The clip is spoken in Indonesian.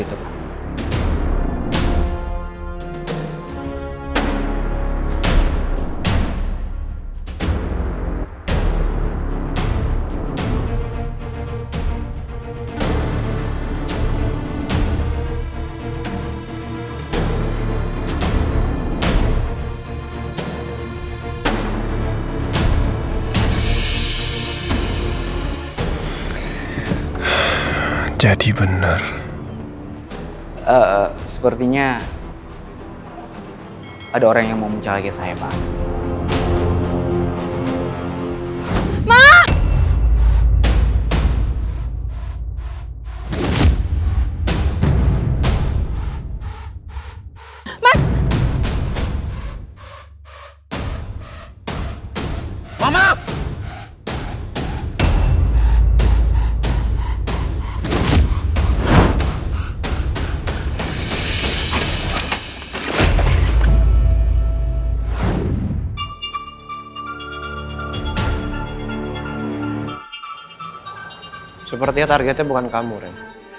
sepertinya targetnya bukan kamu ren